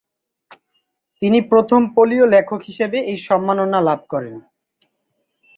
তিনি প্রথম পোলীয় লেখক হিসেবে এই সম্মাননা লাভ করেন।